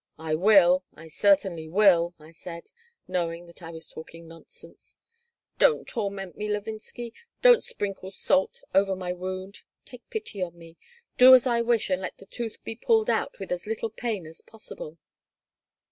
"I will. I certainly will," I said, knowing that I was talking nonsense "Don't torment me, Levinsky. Don't sprinkle salt over my wound. Take pity on me. Do as I wish and let the tooth be pulled out with as little pain as possible."